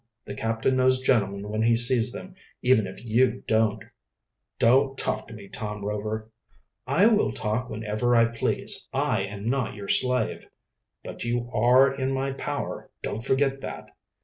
"The captain knows gentlemen when he sees them, even if you don't." "Don't talk to me, Tom Rover." "I will talk whenever I please. I am not your slave." "But you are in my power, don't forget that."